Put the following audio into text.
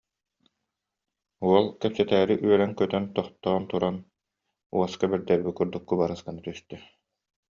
Уол кэпсэтээри үөрэн-көтөн тохтоон туран уоска бэрдэрбит курдук кубарыс гына түстэ